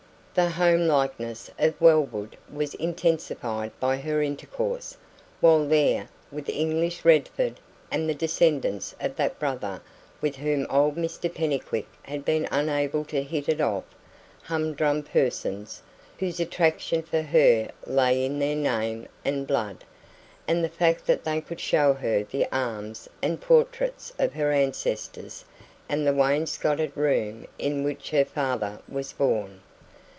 The homelikeness of Wellwood was intensified by her intercourse, while there, with English Redford and the descendants of that brother with whom old Mr Pennycuick had been unable to hit it off humdrum persons, whose attraction for her lay in their name and blood, and the fact that they could show her the arms and portraits of her ancestors and the wainscotted room in which her father was born.